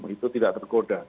itu tidak tergoda